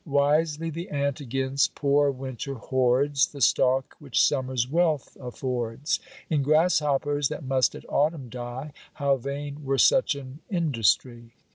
Wisely the ant against poor winter hoards The stock which summer's wealth affords ; In grasshoppers, that must at autumn die, How vain were such an industry